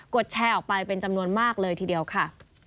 ดแชร์ออกไปเป็นจำนวนมากเลยทีเดียวค่ะ